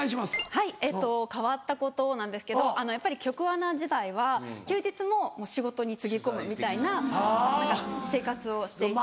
はい変わったことなんですけどやっぱり局アナ時代は休日も仕事につぎ込むみたいな生活をしていて。